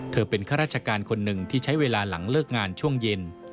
เป็นข้าราชการคนหนึ่งที่ใช้เวลาหลังเลิกงานช่วงเย็น